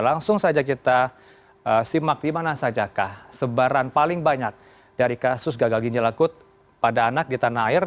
langsung saja kita simak di mana saja kah sebaran paling banyak dari kasus gagal ginjal akut pada anak di tanah air